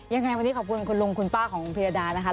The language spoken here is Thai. ยังไงวันนี้ขอบคุณคุณลุงคุณป้าของคุณพิยดานะคะ